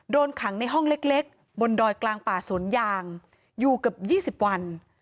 โดนขังในห้องเล็กบนดอยกลางป่าสวนยางอยู่เกือบ๒๐วัน